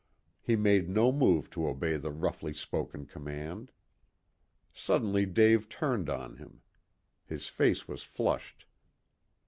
He made no move to obey the roughly spoken command. Suddenly Dave turned on him. His face was flushed.